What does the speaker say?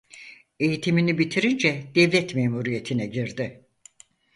Eğitimini bitirince devlet memuriyetine girdi.